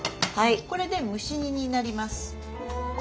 これで蒸し煮になります。